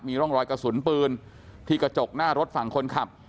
ร่องรอยกระสุนปืนที่กระจกหน้ารถฝั่งคนขับ